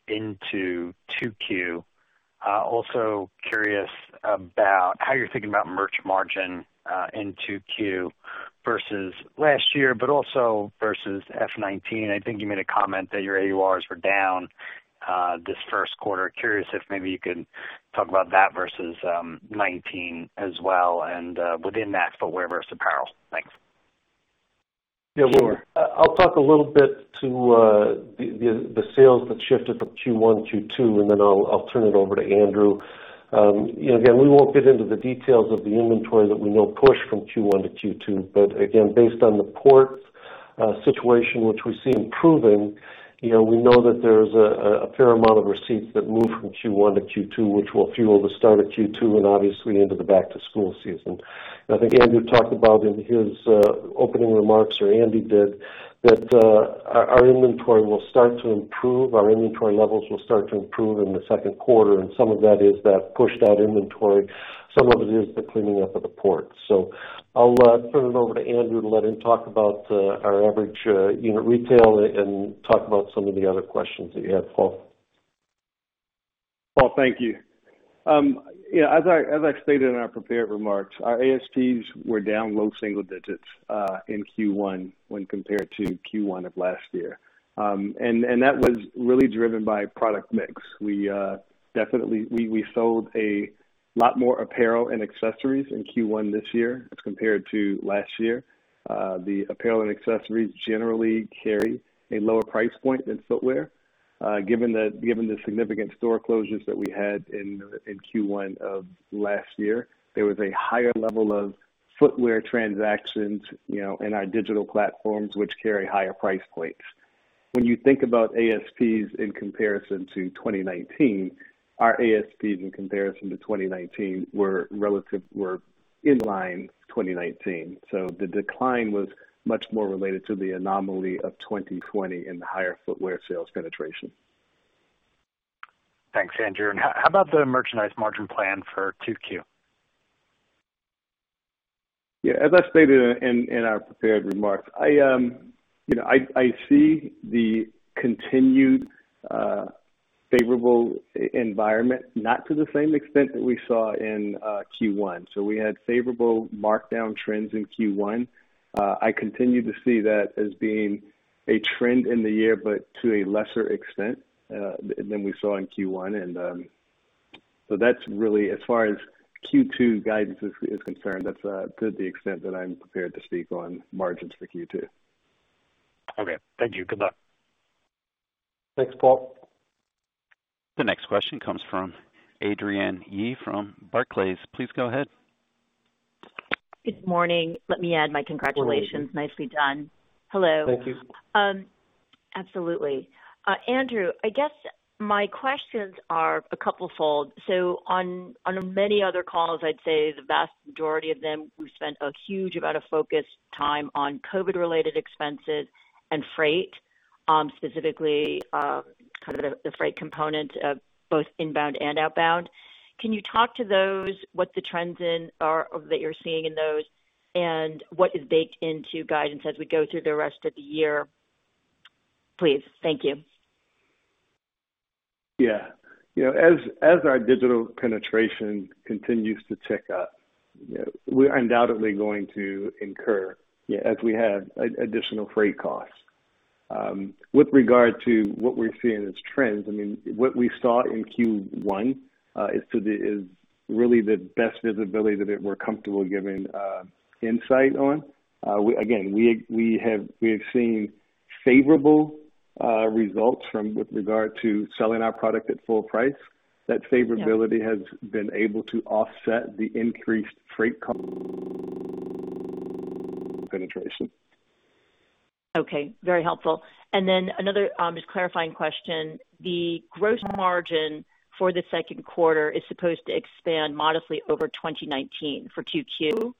Speaker 8: into two Q? Curious about how you're thinking about merch margin in two Q versus last year, but also versus FY 2019. I think you made a comment that your AURs were down this first quarter. Curious if maybe you could talk about that versus 2019 as well, and within that footwear versus apparel. Thanks.
Speaker 3: I'll talk a little bit to the sales that shifted from Q1-Q2, and then I'll turn it over to Andrew. We won't get into the details of the inventory that we know pushed from Q1-Q2, based on the port situation, which we see improving, we know that there's a fair amount of receipts that moved from Q1-Q2, which will fuel the start of Q2 and obviously into the back-to-school season. I think Andrew talked about in his opening remarks, or Andy did, that our inventory will start to improve. Our inventory levels will start to improve in the second quarter, and some of that is that pushed out inventory. Some of it is the cleaning up of the ports. I'll turn it over to Andrew to let him talk about our average unit retail and talk about some of the other questions that you had, Paul.
Speaker 5: Paul, thank you. As I stated in our prepared remarks, our ASPs were down low single digits in Q1 when compared to Q1 of last year. That was really driven by product mix. We sold a lot more apparel and accessories in Q1 this year compared to last year. Apparel and accessories generally carry a lower price point than footwear. Given the significant store closures that we had in Q1 of last year, there was a higher level of footwear transactions in our digital platforms, which carry higher price points. When you think about ASPs in comparison to 2019, our ASPs in comparison to 2019 were in line 2019. The decline was much more related to the anomaly of 2020 and the higher footwear sales penetration.
Speaker 8: Thanks, Andrew. How about the merchandise margin plan for 2Q?
Speaker 5: Yeah. As I stated in our prepared remarks, I see the continued favorable environment, not to the same extent that we saw in Q1. We had favorable markdown trends in Q1. I continue to see that as being a trend in the year, but to a lesser extent than we saw in Q1. That's really as far as Q2 guidance is concerned, that's the extent that I'm prepared to speak on margins for Q2.
Speaker 8: Okay. Thank you for that.
Speaker 3: Thanks, Paul.
Speaker 1: The next question comes from Adrienne Yih from Barclays. Please go ahead.
Speaker 9: Good morning. Let me add my congratulations. Nicely done. Hello.
Speaker 3: Thank you.
Speaker 9: Absolutely. Andrew, I guess my questions are a couple-fold. On many other calls, I'd say the vast majority of them, we spent a huge amount of focus time on COVID-related expenses and freight, specifically, the freight component of both inbound and outbound. Can you talk to those, what the trends are that you're seeing in those, and what is baked into guidance as we go through the rest of the year, please? Thank you.
Speaker 5: Yeah. As our digital penetration continues to tick up, we're undoubtedly going to incur as we have additional freight costs. With regard to what we're seeing as trends, what we saw in Q1 is really the best visibility that we're comfortable giving insight on. Again, we have seen favorable results with regard to selling our product at full price. That favorability has been able to offset the increased freight cost penetration.
Speaker 9: Okay. Very helpful. Another clarifying question. The gross margin for the second quarter is supposed to expand modestly over 2019 for 2Q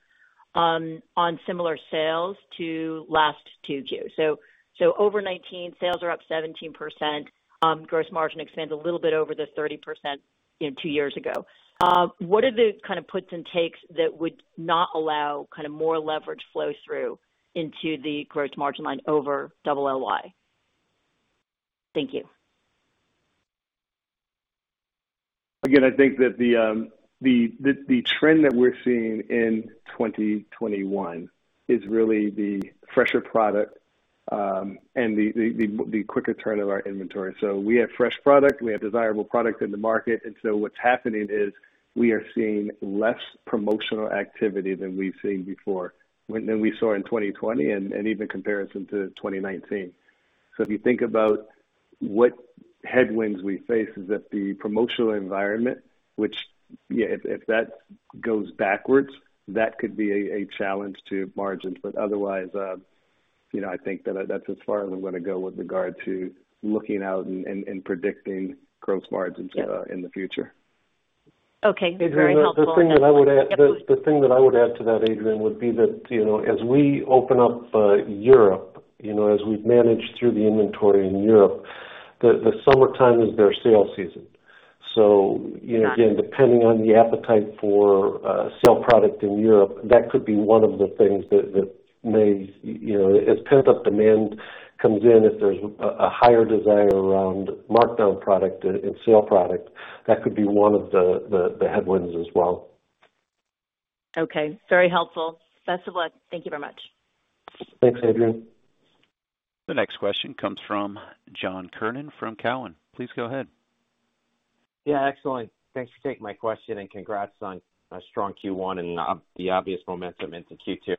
Speaker 9: on similar sales to last 2Q. Over 2019, sales are up 17%, gross margin expand a little bit over the 30% two years ago. What are the puts and takes that would not allow more leverage flow through into the gross margin line over last year's? Thank you.
Speaker 5: I think that the trend that we're seeing in 2021 is really the fresher product and the quicker turn of our inventory. We have fresh product, we have desirable product in the market, and so what's happening is we are seeing less promotional activity than we've seen before, than we saw in 2020 and even comparison to 2019. If you think about what headwinds we face is that the promotional environment, which if that goes backwards, that could be a challenge to margins. Otherwise, I think that's as far as I'm going to go with regard to looking out and predicting gross margins in the future.
Speaker 9: Okay, very helpful.
Speaker 3: The thing that I would add to that, Adrienne, would be that as we open up Europe, as we've managed through the inventory in Europe, the summertime is their sale season. Again, depending on the appetite for sale product in Europe, that could be one of the things. As pent-up demand comes in, if there's a higher desire around markdown product and sale product, that could be one of the headwinds as well.
Speaker 9: Okay. Very helpful. Best of luck. Thank you very much.
Speaker 3: Thanks, Adrienne.
Speaker 1: The next question comes from John Kernan from Cowen. Please go ahead.
Speaker 10: Yeah, excellent. Thanks for taking my question and congrats on a strong Q1 and the obvious momentum into Q2.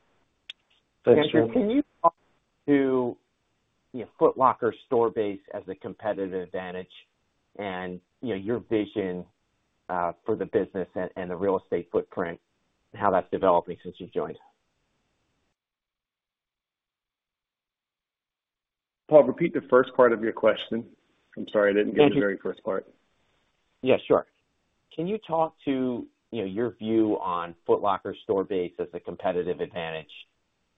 Speaker 10: Andrew, can you talk to Foot Locker store base as a competitive advantage and your vision for the business and the real estate footprint and how that's developing since you've joined?
Speaker 5: John, repeat the first part of your question. I'm sorry, I didn't hear the very first part.
Speaker 10: Yeah, sure. Can you talk to your view on Foot Locker store base as a competitive advantage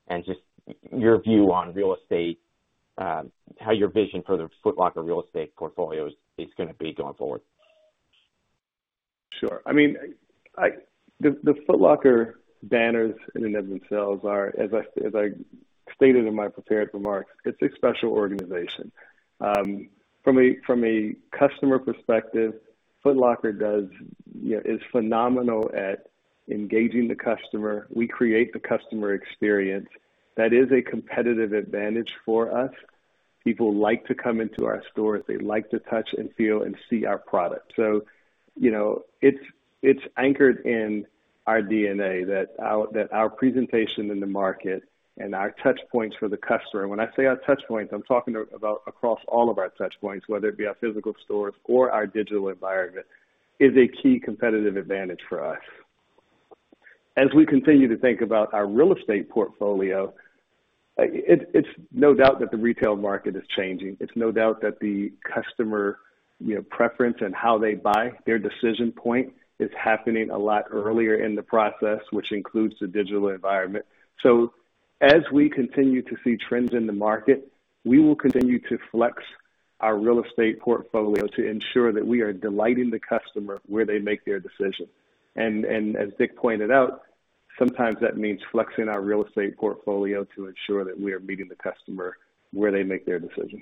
Speaker 10: and just your view on real estate, how your vision for the Foot Locker real estate portfolio is going to be going forward?
Speaker 5: Sure. The Foot Locker banners in and of themselves are, as I stated in my prepared remarks, it's a special organization. From a customer perspective, Foot Locker is phenomenal at engaging the customer. We create the customer experience. That is a competitive advantage for us. People like to come into our stores. They like to touch and feel and see our product. It's anchored in our DNA that our presentation in the market and our touch points for the customer, when I say our touch points, I'm talking about across all of our touch points, whether it be our physical stores or our digital environment, is a key competitive advantage for us. As we continue to think about our real estate portfolio, it's no doubt that the retail market is changing. It's no doubt that the customer preference and how they buy, their decision point is happening a lot earlier in the process, which includes the digital environment. As we continue to see trends in the market, we will continue to flex our real estate portfolio to ensure that we are delighting the customer where they make their decision. As Dick pointed out, sometimes that means flexing our real estate portfolio to ensure that we are meeting the customer where they make their decision.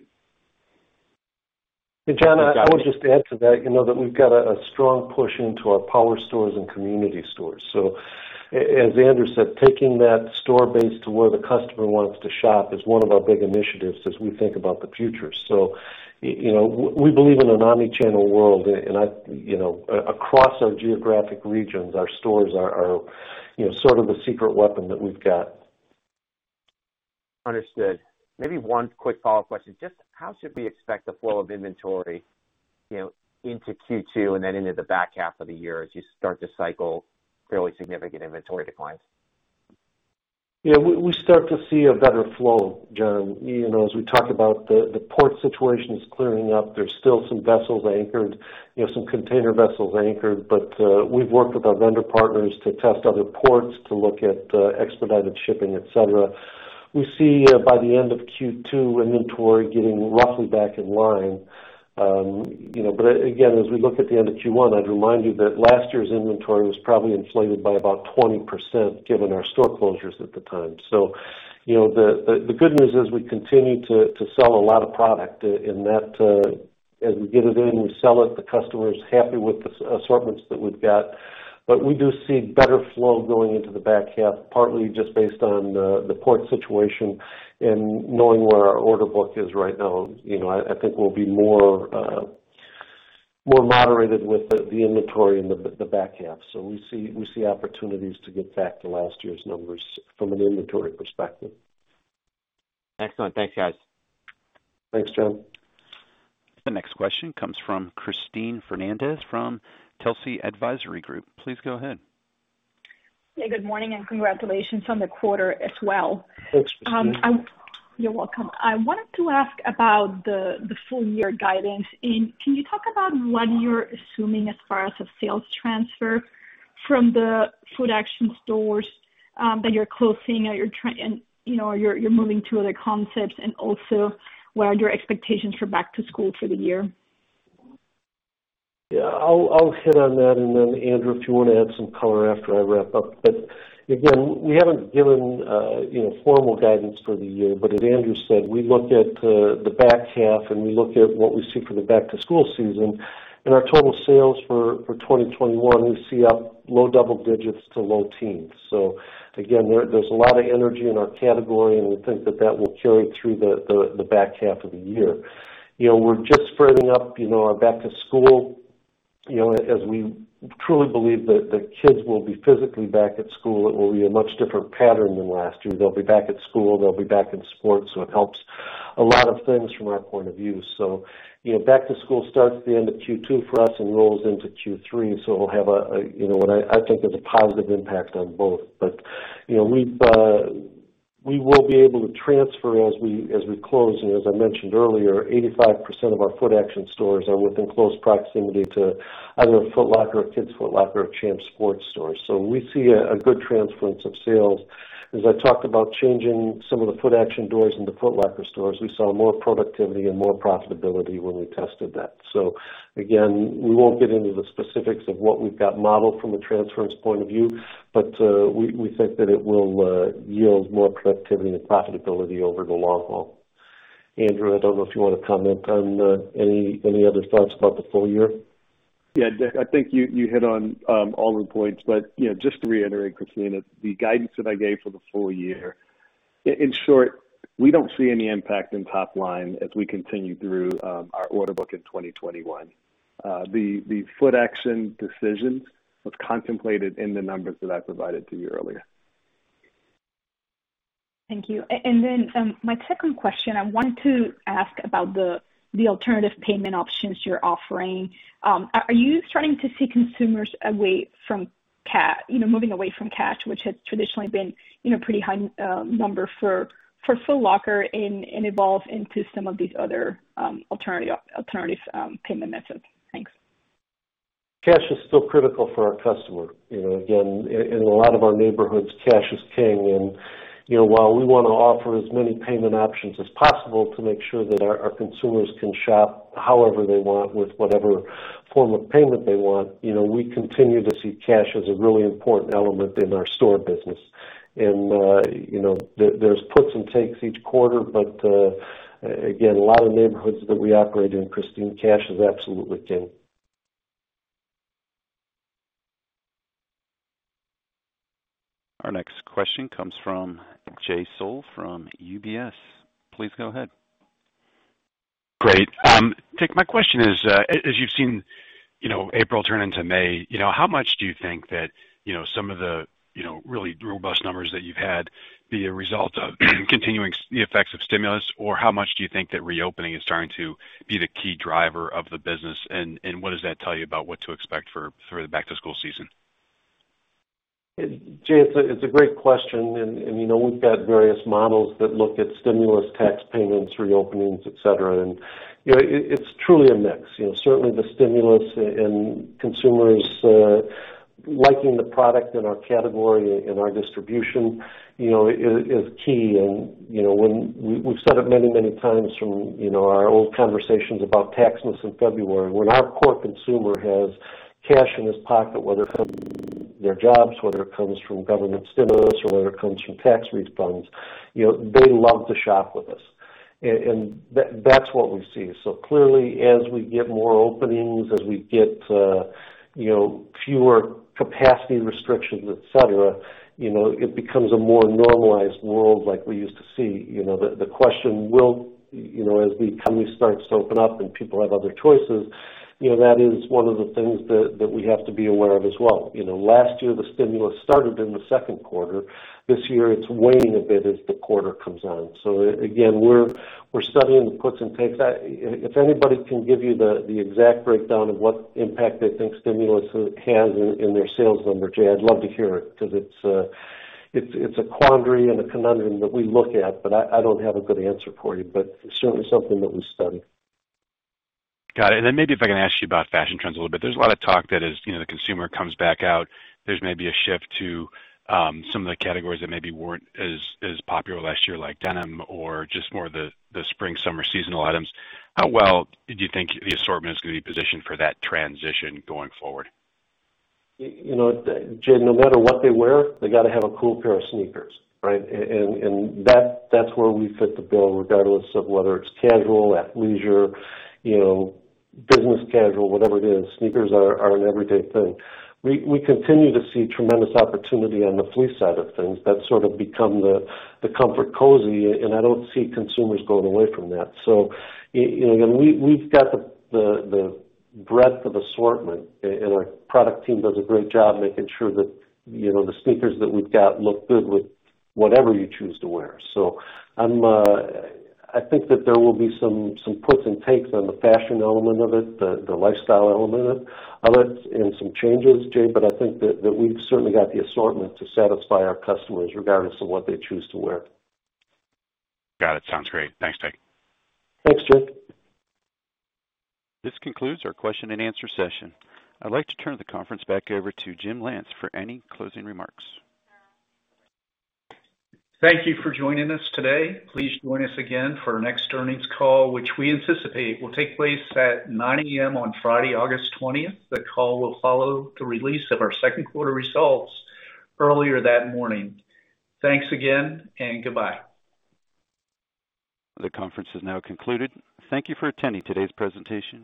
Speaker 3: John, I would just add to that we've got a strong push into our power stores and community stores. As Andrew said, taking that store base to where the customer wants to shop is one of our big initiatives as we think about the future. We believe in an omni-channel world. Across our geographic regions, our stores are sort of the secret weapon that we've got.
Speaker 10: Understood. Maybe one quick follow-up question. Just how should we expect the flow of inventory into Q2 and then into the back half of the year as you start to cycle fairly significant inventory declines?
Speaker 3: Yeah, we start to see a better flow, John. As we talk about the port situation is clearing up. There's still some container vessels anchored, but we've worked with our vendor partners to test other ports to look at expedited shipping, et cetera. We see by the end of Q2 inventory getting roughly back in line. Again, as we look at the end of Q1, I'd remind you that last year's inventory was probably inflated by about 20% given our store closures at the time. The good news is we continue to sell a lot of product and as we get it in, we sell it, the customer is happy with the assortments that we've got. We do see better flow going into the back half, partly just based on the port situation and knowing where our order book is right now. I think we'll be more moderated with the inventory in the back half. We see opportunities to get back to last year's numbers from an inventory perspective.
Speaker 10: Excellent. Thanks, guys.
Speaker 3: Thanks, John.
Speaker 1: The next question comes from Cristina Fernández from Telsey Advisory Group. Please go ahead.
Speaker 11: Hey, good morning, and congratulations on the quarter as well.
Speaker 3: Thanks, Cristina.
Speaker 11: You're welcome. I wanted to ask about the full-year guidance. Can you talk about what you're assuming as far as a sales transfer from the Footaction stores that you're closing, and you're moving to other concepts, and also what are your expectations for back to school for the year?
Speaker 3: Yeah, I'll hit on that and then Andrew, if you want to add some color after I wrap up. Again, we haven't given formal guidance for the year, but as Andrew said, we look at the back half and we look at what we see for the back-to-school season and our total sales for 2021, we see up low double digits to low teens. Again, there's a lot of energy in our category, and we think that that will carry through the back half of the year. We're just springing up our back to school, as we truly believe that kids will be physically back at school, it will be a much different pattern than last year. They'll be back at school, they'll be back in sports, it helps a lot of things from our point of view. Back to school starts at the end of Q2 for us and rolls into Q3, and I think has a positive impact on both. We will be able to transfer as we close. As I mentioned earlier, 85% of our Footaction stores are within close proximity to either a Foot Locker, Kids Foot Locker, or Champs Sports store. We see a good transference of sales. As I talked about changing some of the Footaction doors into Foot Locker stores, we saw more productivity and more profitability when we tested that. Again, we won't get into the specifics of what we've got modeled from a transference point of view, but we think that it will yield more productivity and profitability over the long haul. Andrew, I don't know if you want to comment on any other thoughts about the full year.
Speaker 5: Yeah, Dick, I think you hit on all the points, but just to reiterate, Cristina, the guidance that I gave for the full year, in short, we don't see any impact in top line as we continue through our order book in 2021. The Footaction decision was contemplated in the numbers that I provided to you earlier.
Speaker 11: Thank you. My second question, I wanted to ask about the alternative payment options you're offering. Are you starting to see consumers moving away from cash, which has traditionally been a pretty high number for Foot Locker and evolve into some of these other alternative payment methods? Thanks.
Speaker 3: Cash is still critical for our customer. Again, in a lot of our neighborhoods, cash is king. While we want to offer as many payment options as possible to make sure that our consumers can shop however they want with whatever form of payment they want, we continue to see cash as a really important element in our store business. There's puts and takes each quarter, but again, a lot of neighborhoods that we operate in, Cristina, cash is absolutely king.
Speaker 1: Our next question comes from Jay Sole from UBS. Please go ahead.
Speaker 12: Great. Dick, my question is as you've seen April turn into May, how much do you think that some of the really robust numbers that you've had be a result of continuing the effects of stimulus, or how much do you think that reopening is starting to be the key driver of the business, and what does that tell you about what to expect for the back-to-school season?
Speaker 3: Jay, it's a great question. We've got various models that look at stimulus tax payments, reopening, et cetera, and it's truly a mix. Certainly, the stimulus and consumers liking the product in our category and our distribution is key. We've said it many times from our old conversations about tax lift in February, when our core consumer has cash in his pocket, whether it comes from their jobs, whether it comes from government stimulus, or whether it comes from tax refunds, they love to shop with us. That's what we see. Clearly, as we get more openings, as we get fewer capacity restrictions, et cetera, it becomes a more normalized world like we used to see. The question will, as the economy starts to open up and people have other choices, that is one of the things that we have to be aware of as well. Last year, the stimulus started in the second quarter. This year, it's waning a bit as the quarter comes on. Again, we're studying the puts and takes. If anybody can give you the exact breakdown of what impact they think stimulus has in their sales number, Jay, I'd love to hear it because it's a quandary and a conundrum that we look at, but I don't have a good answer for you, but certainly something that we study.
Speaker 12: Got it. Maybe if I can ask you about fashion trends a little bit. There's a lot of talk that as the consumer comes back out, there's maybe a shift to some of the categories that maybe weren't as popular last year, like denim or just more the spring/summer seasonal items. How well do you think the assortment is going to be positioned for that transition going forward?
Speaker 3: Jay, no matter what they wear, they got to have a cool pair of sneakers, right? That's where we fit the bill, regardless of whether it's casual, athleisure, business casual, whatever it is, sneakers are an everyday thing. We continue to see tremendous opportunity on the fleece side of things. That's sort of become the comfort cozy, and I don't see consumers going away from that. Again, we've got the breadth of assortment, and our product team does a great job making sure that the sneakers that we've got look good with whatever you choose to wear. I think that there will be some puts and takes on the fashion element of it, the lifestyle element of it, and some changes, Jay, but I think that we've certainly got the assortment to satisfy our customers regardless of what they choose to wear.
Speaker 12: Got it. Sounds great. Thanks, Dick.
Speaker 3: Thanks, Jay.
Speaker 1: This concludes our question and answer session. I'd like to turn the conference back over to Jim Lance for any closing remarks.
Speaker 2: Thank you for joining us today. Please join us again for our next earnings call, which we anticipate will take place at 9:00 A.M. on Friday, August 20th. The call will follow the release of our second quarter results earlier that morning. Thanks again, and goodbye.
Speaker 1: The conference is now concluded. Thank you for attending today's presentation.